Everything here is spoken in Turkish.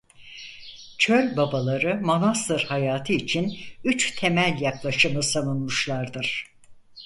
Çöl Babaları manastır hayatı için üç temel yaklaşımı savunmuşlardır.